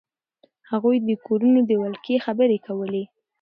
هغوی د کورونو د ولکې خبرې کولې.